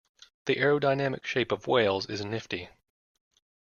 The aerodynamic shape of whales is nifty.